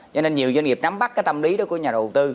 cho nên nhiều doanh nghiệp nắm bắt cái tâm lý đó của nhà đầu tư